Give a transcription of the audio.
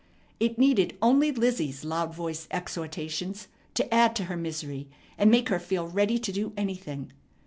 It needed only Lizzie's loud voiced exhortations to add to her misery and make her feel ready to do anything.